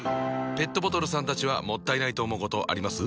ペットボトルさんたちはもったいないと思うことあります？